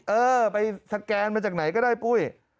เออไปสแกนมาจากไหนก็ได้ปุ้ย